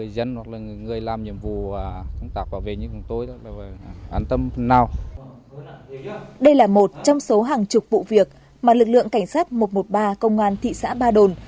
đây là một trong số hàng chục vụ việc mà lực lượng cảnh sát một trăm một mươi ba công an thị xã ba đồn